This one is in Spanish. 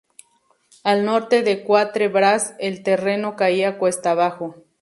Al norte de Quatre Bras el terreno caía cuesta abajo.